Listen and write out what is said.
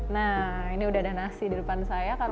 nah ini udah ada nasi di depan saya